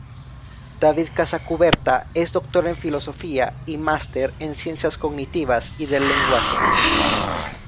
David Casacuberta es doctor en Filosofía y máster en Ciencias cognitivas y del lenguaje.